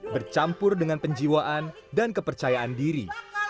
bercampur dengan penjiwaan dan kepercayaan diri